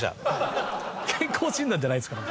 健康診断じゃないんですから。